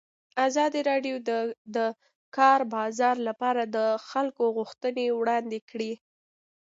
ازادي راډیو د د کار بازار لپاره د خلکو غوښتنې وړاندې کړي.